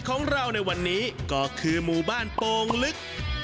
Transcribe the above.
ของเราในวันนี้ก็คือหมู่บ้านโป่งลึก